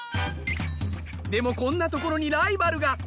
でもこんなところにライバルが。